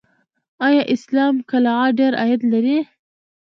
آیا اسلام قلعه ډیر عاید لري؟